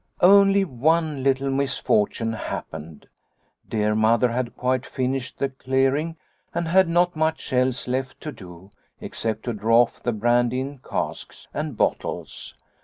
" Only one little misfortune happened. " Dear Mother had quite finished the clearing and had not much else left to do, except to draw off the brandy in casks and bottles.